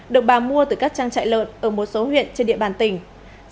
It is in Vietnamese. được bà mua từ các trang trại lợn ở một số huyện trên địa bàn tỉnh